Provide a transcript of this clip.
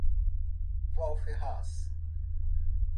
Wall Ferraz